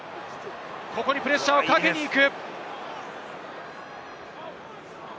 ここにプレッシャーをかけに行く。